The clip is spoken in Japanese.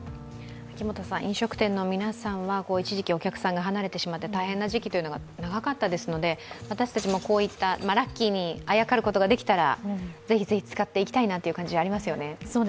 飲食店の皆さんは一時期お客さんが離れてしまって大変な時期が長かったですので私たち、こういったラッキーにあやかることができたらぜひぜひ使っていきたいなんて感じありますよね。